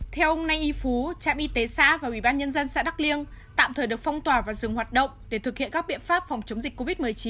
theo ông nay y phú trạm y tế xã và ủy ban nhân dân xã đắk liêng tạm thời được phong tỏa và dừng hoạt động để thực hiện các biện pháp phòng chống dịch covid một mươi chín